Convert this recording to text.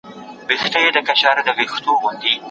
د ګاونډيو ثبات د ګډو ګټو لپاره اړين دی.